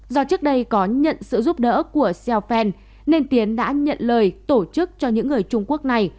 do trước đây có nhận sự giúp đỡ của seo penn nên tiến đã nhận lời tổ chức cho những người trung quốc này